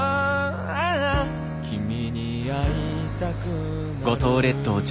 「ああ君に会いたくなる」